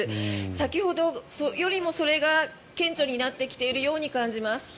先ほどよりも、それが顕著になってきているように感じます。